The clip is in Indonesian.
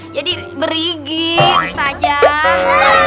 jadi berigit ustazah